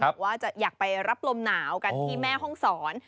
บอกว่าจะอยากไปรับลมหนาวกันที่แม่ห้องศร